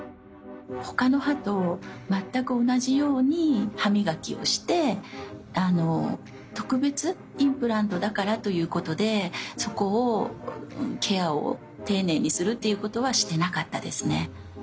ほかの歯と全く同じように歯磨きをしてあの特別インプラントだからということでそこをケアを丁寧にするということはしてなかったですね。